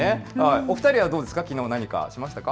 お二人はどうですか、きのう何かしましたか。